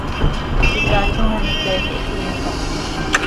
Icaaitom an ipé quih xiinla.